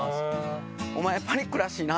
お前パニックらしいな！